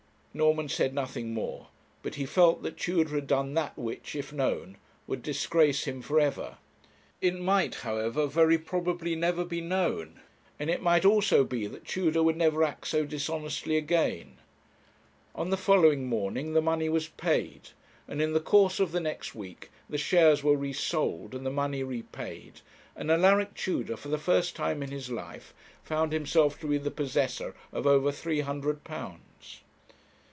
Norman said nothing more; but he felt that Tudor had done that which, if known, would disgrace him for ever. It might, however, very probably never be known; and it might also be that Tudor would never act so dishonestly again. On the following morning the money was paid; and in the course of the next week the shares were resold, and the money repaid, and Alaric Tudor, for the first time in his life, found himself to be the possessor of over three hundred pounds.